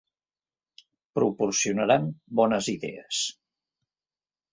Proporcionaran bones idees.